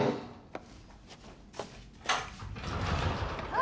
あ。